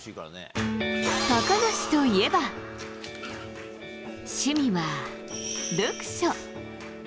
高梨といえば、趣味は読書。